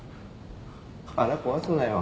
腹壊すなよ。